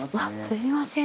すいません。